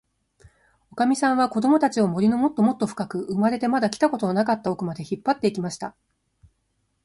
おかみさんは、こどもたちを、森のもっともっとふかく、生まれてまだ来たことのなかったおくまで、引っぱって行きました。